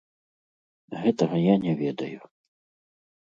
Гэтага я не ведаю.